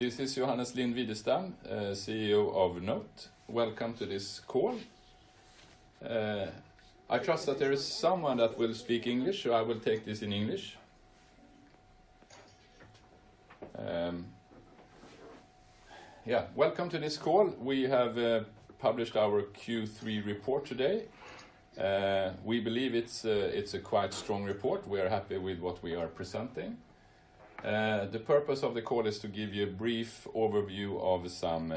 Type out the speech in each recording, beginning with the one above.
This is Johannes Lind-Widestam, CEO of NOTE. Welcome to this call. I trust that there is someone that will speak English, I will take this in English. Yeah, welcome to this call. We have published our Q3 report today. We believe it's a quite strong report. We are happy with what we are presenting. The purpose of the call is to give you a brief overview of some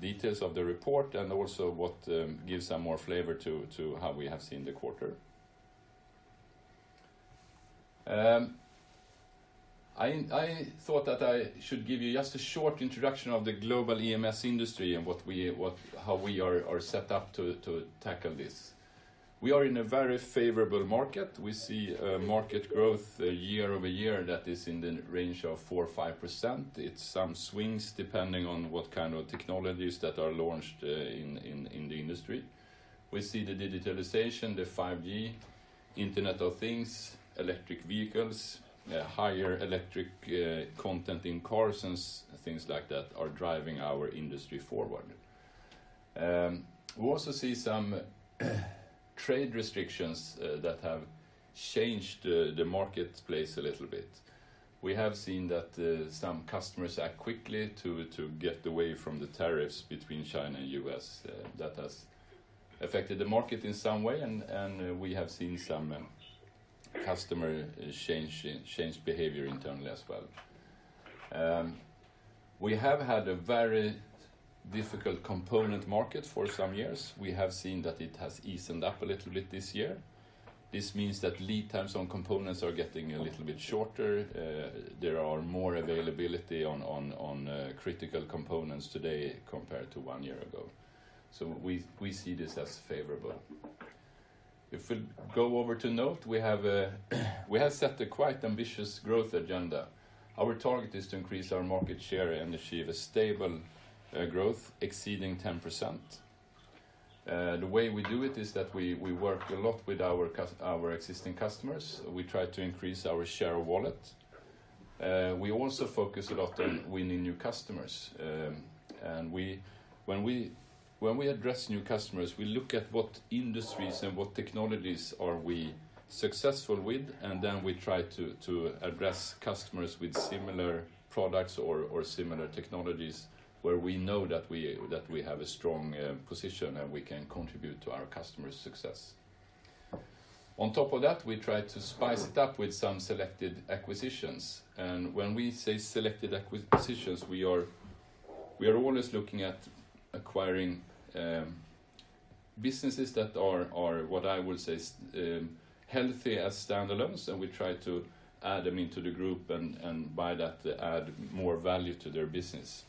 details of the report and also what gives some more flavor to how we have seen the quarter. I thought that I should give you just a short introduction of the global EMS industry and how we are set up to tackle this. We are in a very favorable market. We see a market growth year-over-year that is in the range of 4% or 5%. It's some swings, depending on what kind of technologies that are launched in, in, in the industry. We see the digitalization, the 5G, Internet of Things, electric vehicles, higher electric content in cars, and things like that are driving our industry forward. We also see some trade restrictions that have changed the marketplace a little bit. We have seen that some customers are quickly to get away from the tariffs between China and U.S. That has affected the market in some way, and we have seen some customer change, change behavior internally as well. We have had a very difficult component market for some years. We have seen that it has eased up a little bit this year. This means that lead times on components are getting a little bit shorter. There are more availability on critical components today compared to one year ago, so we, we see this as favorable. If we go over to NOTE, we have set a quite ambitious growth agenda. Our target is to increase our market share and achieve a stable growth exceeding 10%. The way we do it is that we, we work a lot with our existing customers. We try to increase our share of wallet. We also focus a lot on winning new customers. When we, when we address new customers, we look at what industries and what technologies are we successful with, then we try to, to address customers with similar products or, or similar technologies where we know that we, that we have a strong position, and we can contribute to our customers' success. On top of that, we try to spice it up with some selected acquisitions, when we say selected acquisitions, we are, we are always looking at acquiring businesses that are, are, what I would say, healthy as standalones, and we try to add them into the group and, and by that, add more value to their business.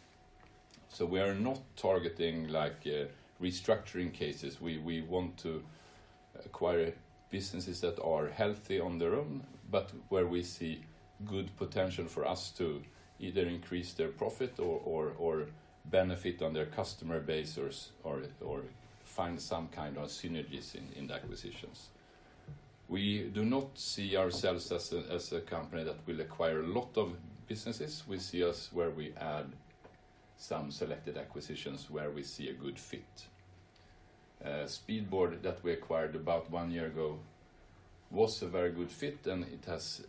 We are not targeting like restructuring cases. We, we want to acquire businesses that are healthy on their own, but where we see good potential for us to either increase their profit or, or, or benefit on their customer base or, or, or find some kind of synergies in, in the acquisitions. We do not see ourselves as a, as a company that will acquire a lot of businesses. We see us where we add some selected acquisitions where we see a good fit. Speedboard, that we acquired about one year ago, was a very good fit, and it has,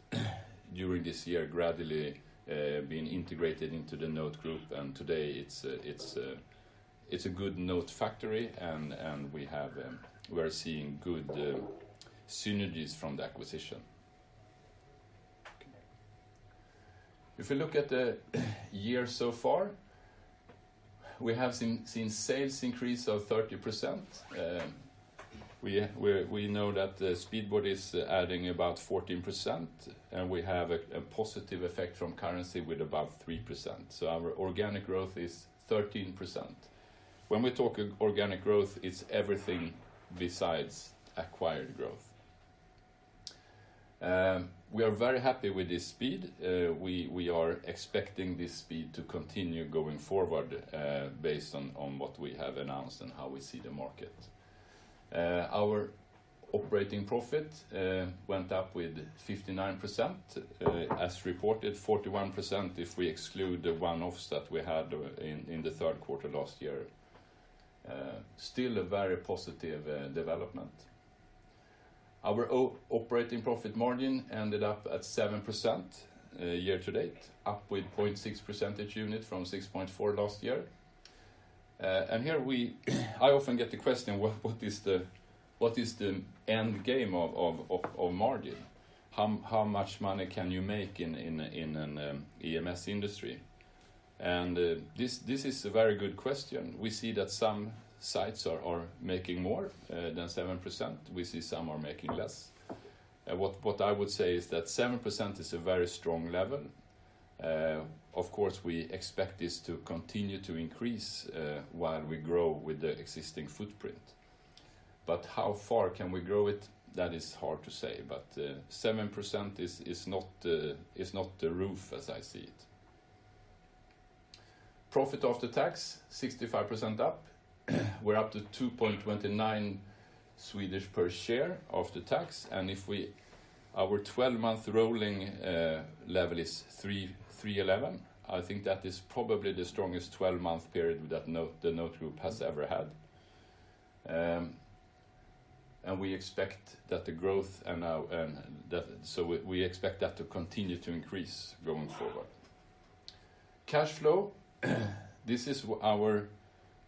during this year, gradually been integrated into the NOTE group, and today it's a, it's a, it's a good NOTE factory, and, and we have, we are seeing good synergies from the acquisition. If you look at the year so far, we have seen, seen sales increase of 30%. We, we, we know that the Speedboard is adding about 14%, and we have a positive effect from currency with about 3%, so our organic growth is 13%. When we talk organic growth, it's everything besides acquired growth. We are very happy with this speed. We, we are expecting this speed to continue going forward, based on what we have announced and how we see the market. Our operating profit went up with 59% as reported 41% if we exclude the one-offs that we had in the Q3 last year. Still a very positive development. Our operating profit margin ended up at 7% year to date, up with 0.6 percentage unit from 6.4 last year. Here I often get the question: What is the end game of margin? How much money can you make in an EMS industry? This is a very good question. We see that some sites are making more than 7%. We see some are making less. What I would say is that 7% is a very strong level. Of course, we expect this to continue to increase while we grow with the existing footprint. How far can we grow it? That is hard to say, but 7% is not the roof, as I see it. Profit after tax, 65% up. We're up to 2.29 billion. Swedish per share of the tax. If we, our 12-month rolling level is 3.11, I think that is probably the strongest 12-month period that NOTE, the NOTE group has ever had. We expect that the growth, we expect that to continue to increase going forward. Cash flow. This is our,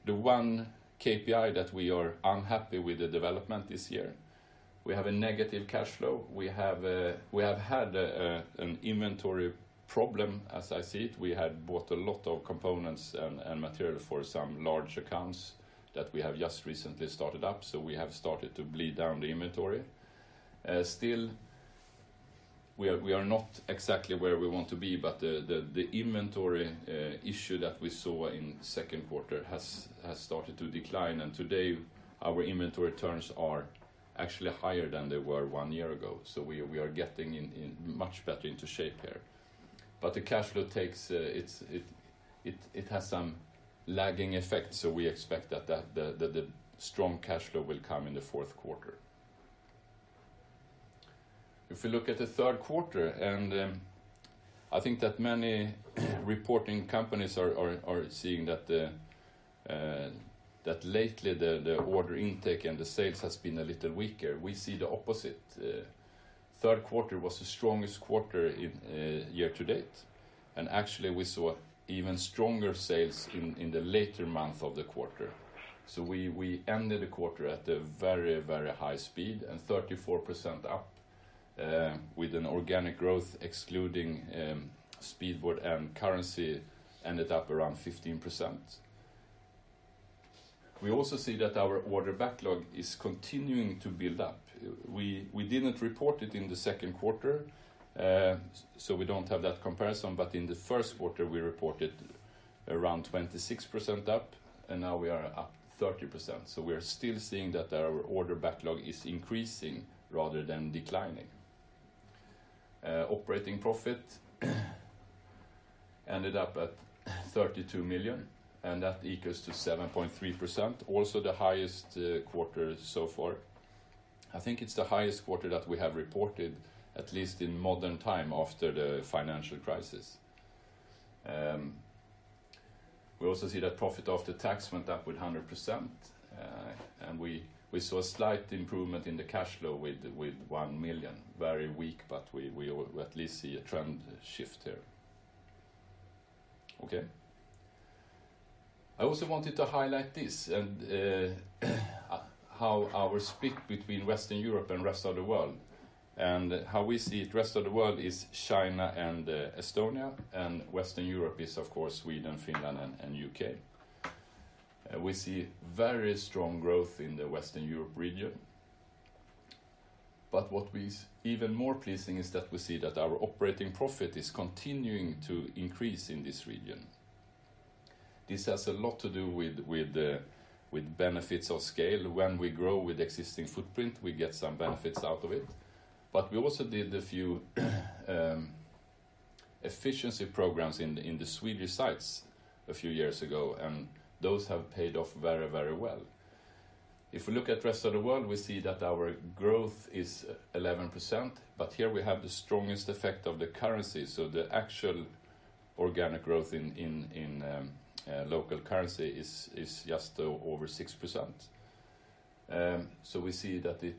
the one KPI that we are unhappy with the development this year. We have a negative cash flow. We have had an inventory problem, as I see it. We had bought a lot of components and material for some large accounts that we have just recently started up. We have started to bleed down the inventory. Still, we are, we are not exactly where we want to be, but the, the, the inventory issue that we saw in Q2 has started to decline, and today, our inventory terms are actually higher than they were one year ago. We are, we are getting in, in much better into shape here. The cash flow takes, it has some lagging effect, so we expect that the, the, the strong cash flow will come in the fourth quarter. If you look at the Q3, I think that many reporting companies are, are, are seeing that lately the, the order intake and the sales has been a little weaker. We see the opposite. Q3 was the strongest quarter in year to date, actually we saw even stronger sales in the later months of the quarter. We ended the quarter at a very, very high speed and 34% up with an organic growth, excluding Speedboard and currency, ended up around 15%. We also see that our order backlog is continuing to build up. We didn't report it in the Q2, so we don't have that comparison, but in the Q1, we reported around 26% up, and now we are up 30%. We are still seeing that our order backlog is increasing rather than declining. Operating profit ended up at 32 million, and that equals to 7.3%, also the highest quarter so far. I think it's the highest quarter that we have reported, at least in modern time, after the financial crisis. We also see that profit after tax went up with 100%, and we, we saw a slight improvement in the cash flow with, with $1 million. Very weak, but we, we at least see a trend shift here. Okay. I also wanted to highlight this, and, how our split between Western Europe and rest of the world. How we see it, rest of the world is China and Estonia, and Western Europe is, of course, Sweden, Finland, and, and U.K. We see very strong growth in the Western Europe region. What is even more pleasing is that we see that our operating profit is continuing to increase in this region. This has a lot to do with, with, with benefits of scale. When we grow with existing footprint, we get some benefits out of it. We also did a few efficiency programs in the Swedish sites a few years ago, and those have paid off very, very well. If we look at rest of the world, we see that our growth is 11%, but here we have the strongest effect of the currency, so the actual organic growth in local currency is just over 6%. We see that the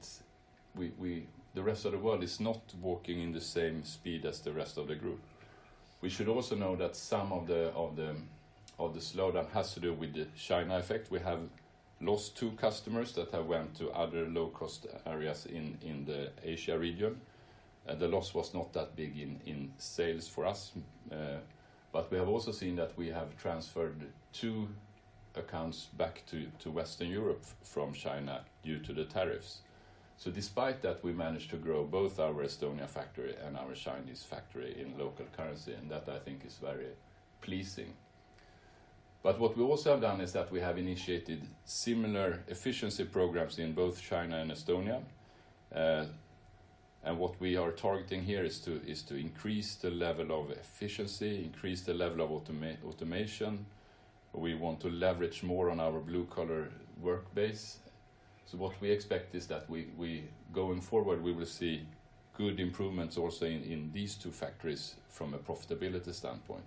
rest of the world is not working in the same speed as the rest of the group. We should also know that some of the slowdown has to do with the China effect. We have lost two customers that have went to other low-cost areas in the Asia region. The loss was not that big in, in sales for us, we have also seen that we have transferred 2 accounts back to Western Europe from China due to the tariffs. Despite that, we managed to grow both our Estonia factory and our Chinese factory in local currency, and that, I think, is very pleasing. What we also have done is that we have initiated similar efficiency programs in both China and Estonia. What we are targeting here is to, is to increase the level of efficiency, increase the level of automation. We want to leverage more on our blue-collar work base. What we expect is that we, we, going forward, we will see good improvements also in, in these 2 factories from a profitability standpoint.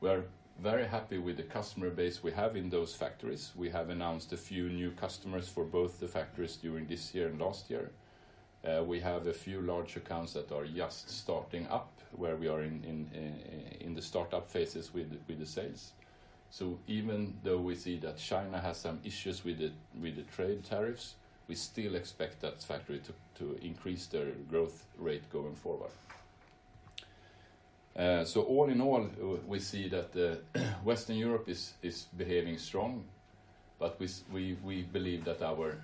We are very happy with the customer base we have in those factories. We have announced a few new customers for both the factories during this year and last year. We have a few large accounts that are just starting up, where we are in the start-up phases with the sales. Even though we see that China has some issues with the trade tariffs, we still expect that factory to increase their growth rate going forward. All in all, we see that Western Europe is behaving strong, but we believe that our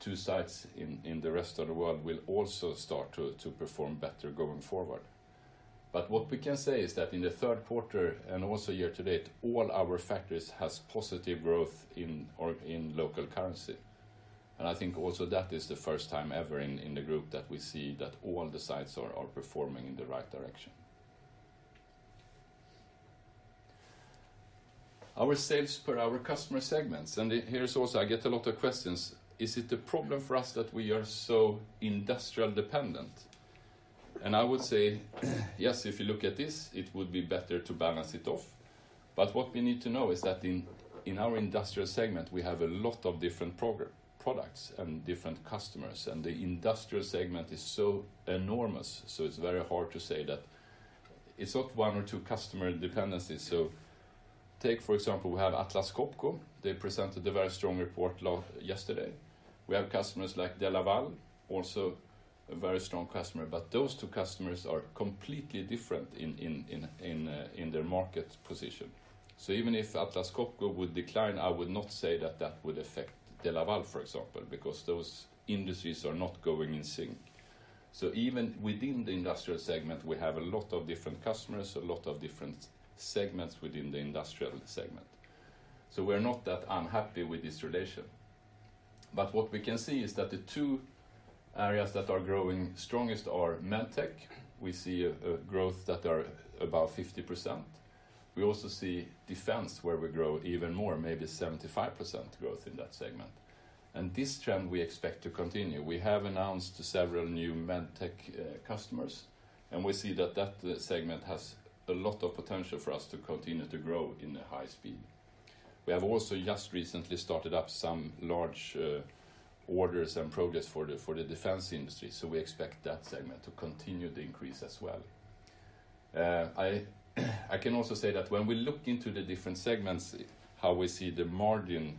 two sites in the rest of the world will also start to perform better going forward. What we can say is that in the Q3, and also year to date, all our factories has positive growth in local currency. I think also that is the first time ever in the group that we see that all the sites are performing in the right direction. Our sales per our customer segments. Here is also, I get a lot of questions: Is it a problem for us that we are so industrial dependent? I would say, yes, if you look at this, it would be better to balance it off. What we need to know is that in our industrial segment, we have a lot of different products and different customers, and the industrial segment is so enormous, so it's very hard to say that it's not one or two customer dependencies. Take, for example, we have Atlas Copco. They presented a very strong report yesterday. We have customers like DeLaval, also a very strong customer, but those two customers are completely different in their market position. Even if Atlas Copco would decline, I would not say that that would affect DeLaval, for example, because those industries are not going in sync. Even within the industrial segment, we have a lot of different customers, a lot of different segments within the industrial segment. We're not that unhappy with this relation. What we can see is that the two areas that are growing strongest are MedTech. We see a growth that are about 50%. We also see defense, where we grow even more, maybe 75% growth in that segment. This trend we expect to continue. We have announced several new MedTech customers, and we see that that segment has a lot of potential for us to continue to grow in a high speed. We have also just recently started up some large orders and progress for the, for the defense industry, so we expect that segment to continue to increase as well. I, I can also say that when we look into the different segments, how we see the margin,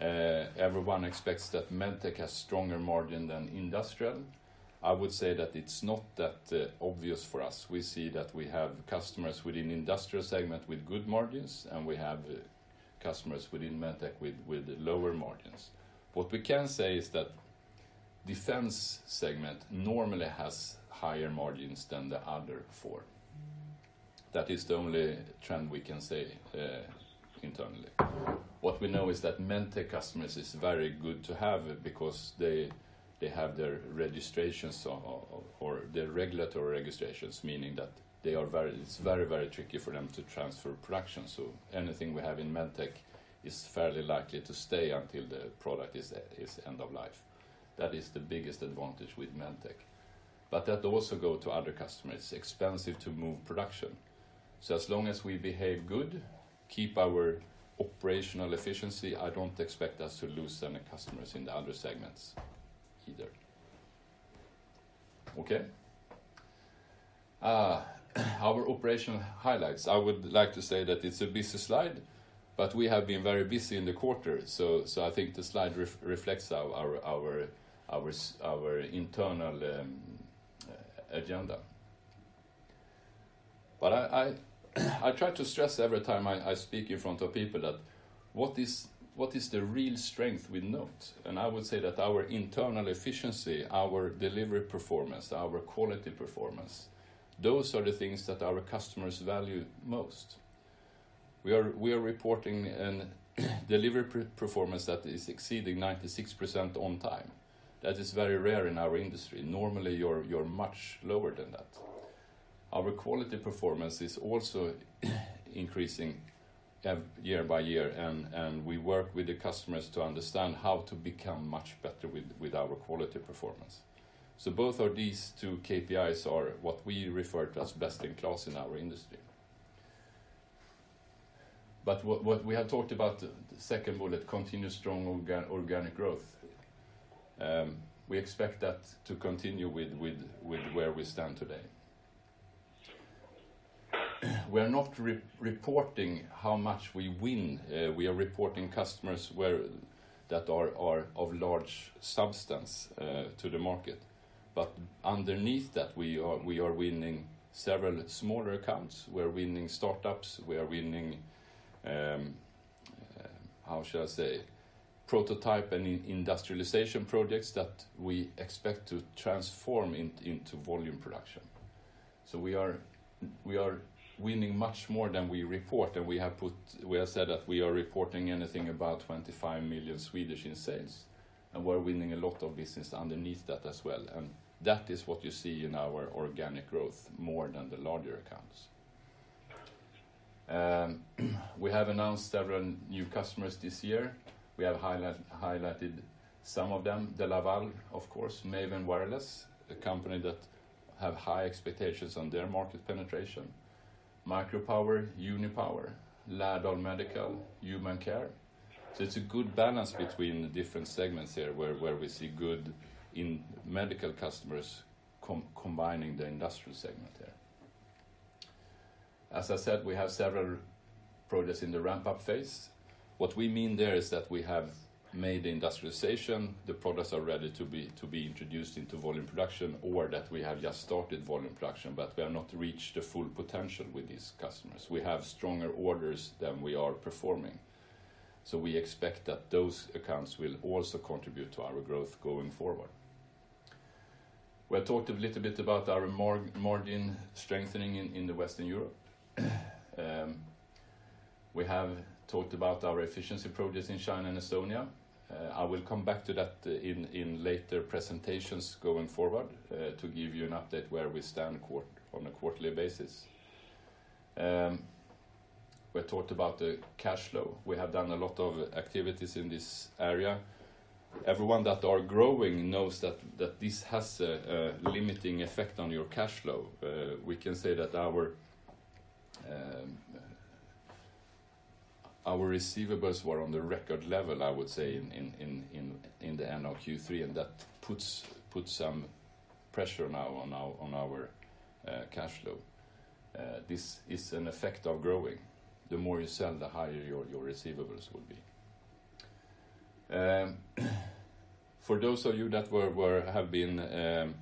everyone expects that MedTech has stronger margin than industrial. I would say that it's not that obvious for us. We see that we have customers within industrial segment with good margins, and we have customers within MedTech with, with lower margins. What we can say is that defense segment normally has higher margins than the other four. That is the only trend we can say internally. What we know is that MedTech customers is very good to have because they, they have their registrations or, or, or their regulatory registrations, meaning that they are very, it's very, very tricky for them to transfer production. Anything we have in MedTech is fairly likely to stay until the product is end of life. That is the biggest advantage with MedTech. That also go to other customers. It's expensive to move production, as long as we behave good, keep our operational efficiency, I don't expect us to lose any customers in the other segments either. Okay? Our operational highlights. I would like to say that it's a busy slide, we have been very busy in the quarter, so, so I think the slide reflects our, our, our internal agenda. I, I, I try to stress every time I, I speak in front of people that what is, what is the real strength with NOTE? I would say that our internal efficiency, our delivery performance, our quality performance, those are the things that our customers value most. We are, we are reporting an delivery performance that is exceeding 96% on time. That is very rare in our industry. Normally, you're, you're much lower than that. Our quality performance is also increasing year by year, and, and we work with the customers to understand how to become much better with, with our quality performance. Both of these two KPIs are what we refer to as best in class in our industry. What, what we have talked about, the second bullet, continuous strong organic growth, we expect that to continue with where we stand today. We are not reporting how much we win, we are reporting customers where, that are of large substance to the market. Underneath that, we are winning several smaller accounts. We are winning startups, we are winning, how shall I say, prototype and industrialization projects that we expect to transform into volume production. We are winning much more than we report, and we have said that we are reporting anything about 25 million in sales, and we're winning a lot of business underneath that as well. That is what you see in our organic growth, more than the larger accounts. We have announced several new customers this year. We have highlighted some of them, DeLaval, of course, Maven Wireless, a company that have high expectations on their market penetration, Micropower, Unipower, Laerdal Medical, Human Care. It's a good balance between the different segments here, where we see good in medical customers combining the industrial segment there. As I said, we have several products in the ramp-up phase. What we mean there is that we have made industrialization, the products are ready to be introduced into volume production, or that we have just started volume production, but we have not reached the full potential with these customers. We have stronger orders than we are performing, we expect that those accounts will also contribute to our growth going forward. We have talked a little bit about our margin strengthening in Western Europe. We have talked about our efficiency progress in China and Estonia. I will come back to that in, in later presentations going forward, to give you an update where we stand on a quarterly basis. We talked about the cash flow. We have done a lot of activities in this area. Everyone that are growing knows that, that this has a, a limiting effect on your cash flow. We can say that our, our receivables were on the record level, I would say, in, in, in, in, in the end of Q3, and that puts, put some pressure now on our, on our cash flow. This is an effect of growing. The more you sell, the higher your, your receivables will be. For those of you that have been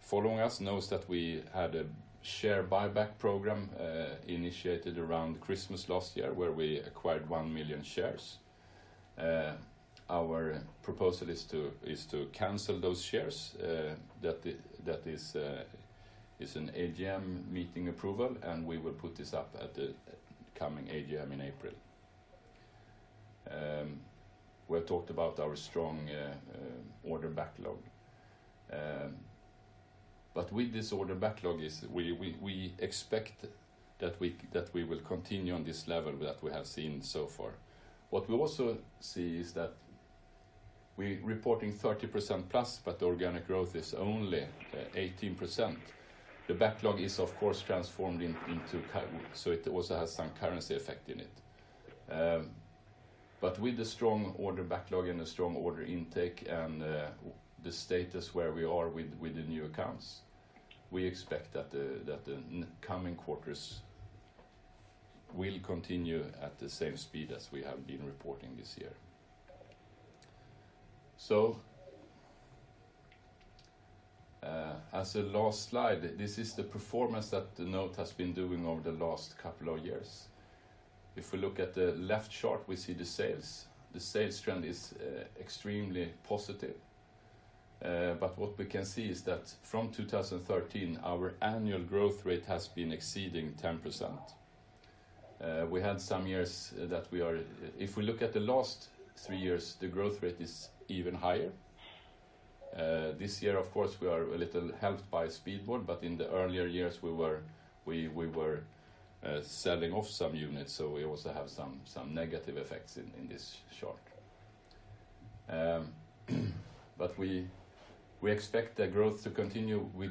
following us, knows that we had a share buyback program initiated around Christmas last year, where we acquired 1 million shares. Our proposal is to cancel those shares, that is an AGM meeting approval, and we will put this up at the coming AGM in April. We talked about our strong order backlog. With this order backlog is we expect that we will continue on this level that we have seen so far. What we also see is that we're reporting 30%+, but organic growth is only 18%. The backlog is, of course, transformed into so it also has some currency effect in it. With the strong order backlog and the strong order intake and the status where we are with, with the new accounts, we expect that the coming quarters will continue at the same speed as we have been reporting this year. As a last slide, this is the performance that NOTE has been doing over the last couple of years. If we look at the left chart, we see the sales. The sales trend is extremely positive, what we can see is that from 2013, our annual growth rate has been exceeding 10%. We had some years. If we look at the last three years, the growth rate is even higher. This year, of course, we are a little helped by Speedboard, but in the earlier years, we were selling off some units, so we also have some negative effects in this chart. We, we expect the growth to continue. We,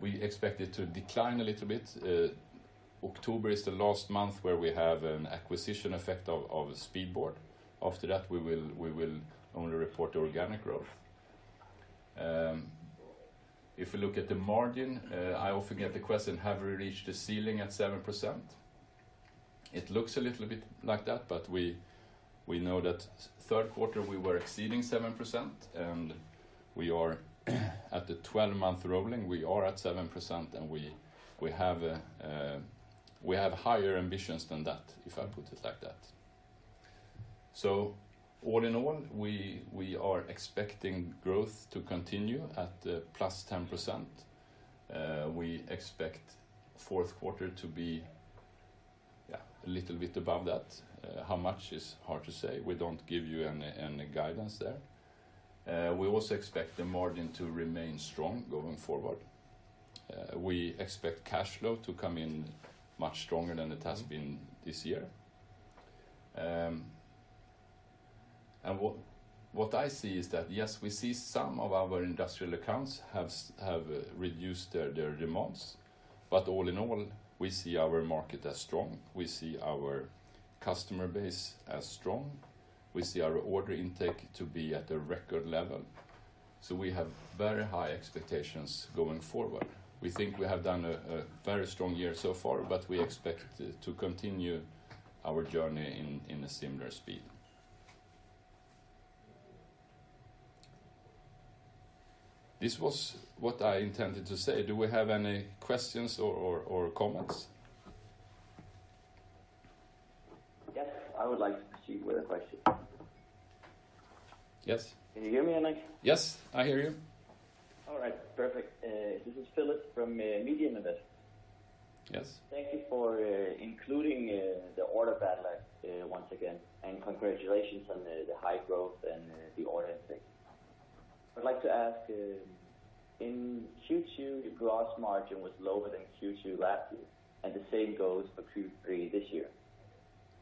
we expect it to decline a little bit. October is the last month where we have an acquisition effect of Speedboard. After that, we will, we will only report organic growth. If we look at the margin, I often get the question: Have we reached the ceiling at 7%? It looks a little bit like that, we, we know that Q3, we were exceeding 7%, and we are, at the 12-month rolling, we are at 7%, and we, we have, we have higher ambitions than that, if I put it like that. All in all, we, we are expecting growth to continue at plus 10%. We expect Q4 to be, yeah, a little bit above that. How much is hard to say. We don't give you any, any guidance there. We also expect the margin to remain strong going forward. We expect cash flow to come in much stronger than it has been this year. What, what I see is that, yes, we see some of our industrial accounts have reduced their, their demands, but all in all, we see our market as strong. We see our customer base as strong. We see our order intake to be at a record level. We have very high expectations going forward. We think we have done a, a very strong year so far, but we expect to, to continue our journey in, in a similar speed. This was what I intended to say. Do we have any questions or, or, or comments? Yes, I would like to proceed with a question. Yes. Can you hear me, like? Yes, I hear you. All right, perfect. This is Philip from. Yes. Thank you for including the order backlog once again. Congratulations on the high growth and the order intake. I'd like to ask, in Q2, the gross margin was lower than Q2 last year. The same goes for Q3 this year.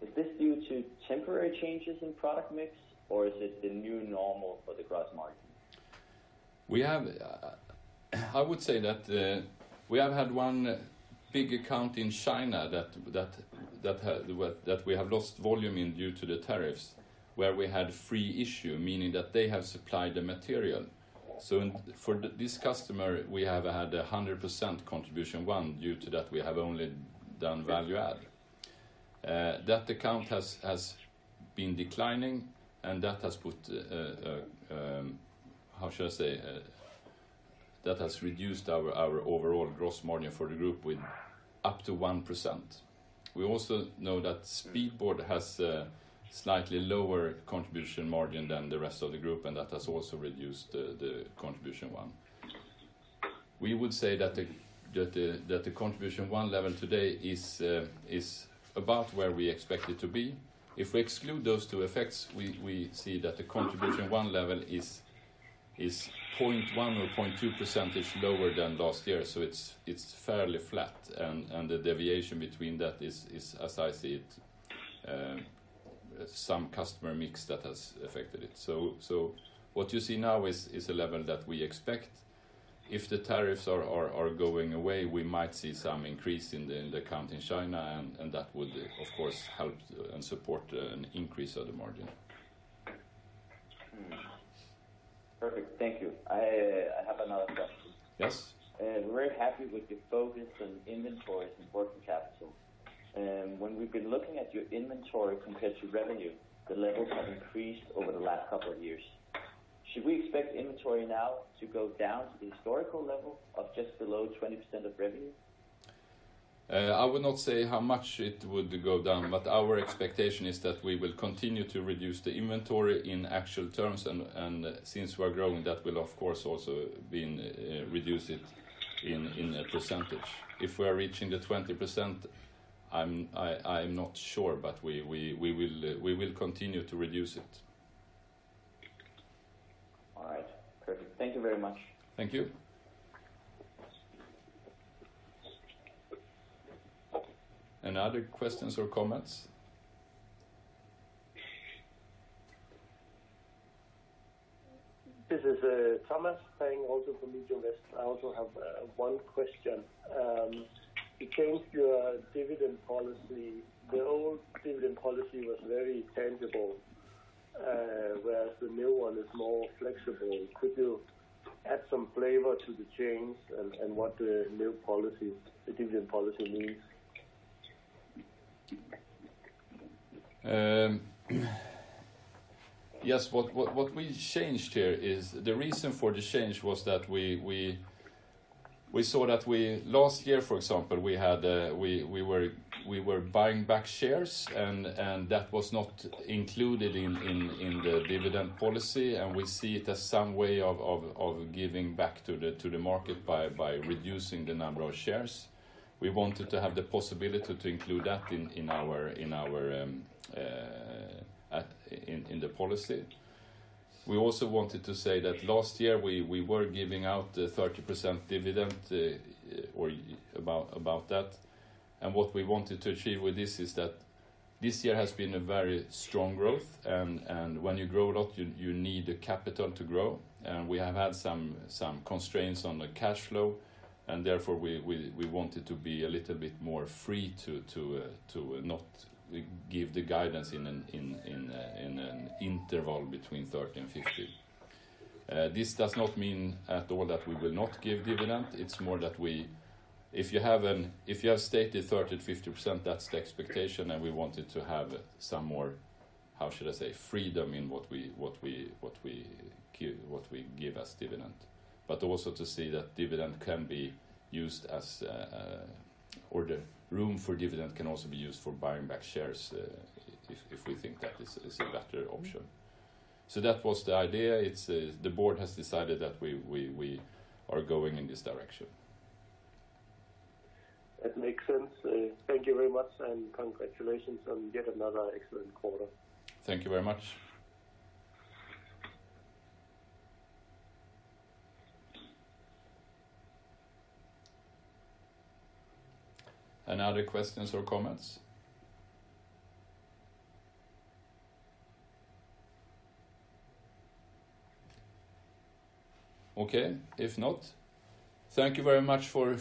Is this due to temporary changes in product mix, or is it the new normal for the gross margin? We have, I would say that, we have had one big account in China that, that, that had, well, that we have lost volume in due to the tariffs, where we had free issue, meaning that they have supplied the material. For this customer, we have had 100% contribution one, due to that, we have only done value add. That account has, has been declining, and that has put. How should I say? That has reduced our, our overall gross margin for the group with up to 1%. We also know that Speedboard has a slightly lower contribution margin than the rest of the group, and that has also reduced the, the contribution one. We would say that the, that the, that the contribution one level today is, is about where we expect it to be. If we exclude those two effects, we see that the contribution one level is 0.1% or 0.2% lower than last year, so it's fairly flat. The deviation between that is, as I see it, some customer mix that has affected it. What you see now is a level that we expect. If the tariffs are going away, we might see some increase in the account in China. That would, of course, help and support an increase of the margin. Perfect. Thank you. I, I have another question. Yes. We're very happy with the focus on inventories and working capital. When we've been looking at your inventory compared to revenue, the levels have increased over the last couple of years. Should we expect inventory now to go down to the historical level of just below 20% of revenue? I would not say how much it would go down, but our expectation is that we will continue to reduce the inventory in actual terms, and, and since we are growing, that will, of course, also been reduce it in, in a percentage. If we are reaching the 20%, I'm not sure, but we, we, we will, we will continue to reduce it. All right. Perfect. Thank you very much. Thank you. Any other questions or comments? This is, Thomas Fang, also from. I also have one question. You changed your dividend policy. The old dividend policy was very tangible, whereas the new one is more flexible. Could you add some flavor to the change and, and what the new policy, the dividend policy means? Yes, what we changed here is. The reason for the change was that we saw that we, last year, for example, we had, we were buying back shares, and that was not included in the dividend policy. And we see it as some way of giving back to the market by reducing the number of shares. We wanted to have the possibility to include that in our policy. We also wanted to say that last year, we were giving out 30% dividend, or about that. What we wanted to achieve with this is that this year has been a very strong growth, and when you grow a lot, you, you need the capital to grow, and we have had some, some constraints on the cash flow, and therefore, we, we, we wanted to be a little bit more free to, to not give the guidance in an, in, in a, in an interval between 30 and 50. This does not mean at all that we will not give dividend, it's more that if you have an, if you have stated 30%–50%, that's the expectation, and we wanted to have some more, how should I say, freedom in what we, what we, what we give, what we give as dividend. Also to see that dividend can be used as, or the room for dividend can also be used for buying back shares, if, if we think that is, is a better option. That was the idea. It's, the board has decided that we, we, we are going in this direction. That makes sense. Thank you very much, and congratulations on yet another excellent quarter. Thank you very much. Any other questions or comments? Okay, if not, thank you very much for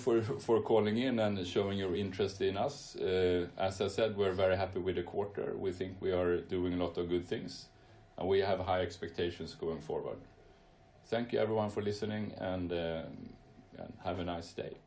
calling in and showing your interest in us. As I said, we're very happy with the quarter. We think we are doing a lot of good things, and we have high expectations going forward. Thank you, everyone, for listening, and have a nice day.